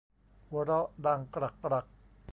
หัวเราะดังกรักกรัก